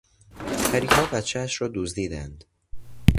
پریها بچهاش را دزدیدند.